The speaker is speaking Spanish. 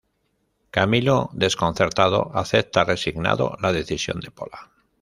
Camilo, desconcertado, acepta resignado la decisión de Pola.